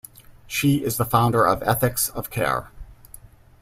She is the founder of ethics of care.